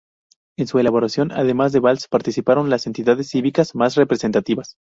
En su elaboración además de Valls participaron las entidades cívicas más representativas.